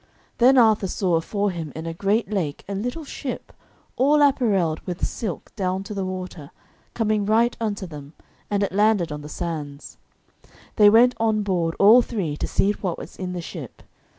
Then Arthur saw afore him in a great lake a little ship, all apparelled with silk down to the water, coming right unto them, and it landed on the sands. They went on board, all three, to see what was in the ship.